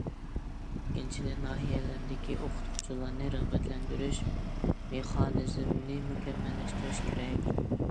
ئىككىنچىدىن، ناھىيەلەردىكى ئوقۇتقۇچىلارنى رىغبەتلەندۈرۈش مېخانىزمىنى مۇكەممەللەشتۈرۈش كېرەك.